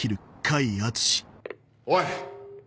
おい！